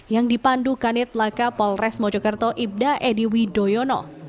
yang dipandukan di telaka polres mojokerto ibda edy widoyono